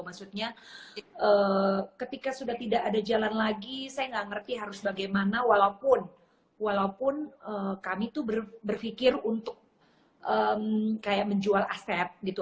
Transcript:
maksudnya ketika sudah tidak ada jalan lagi saya nggak ngerti harus bagaimana walaupun kami tuh berpikir untuk kayak menjual aset gitu